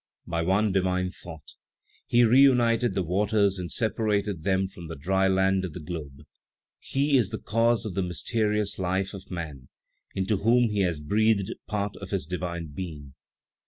By one divine thought, He reunited the waters and separated them from the dry land of the globe. He is the cause of the mysterious life of man, into whom He has breathed part of His divine Being.